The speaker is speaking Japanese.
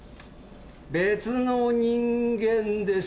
別の人間です。